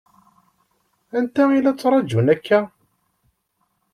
Anta i la ttṛaǧun akka?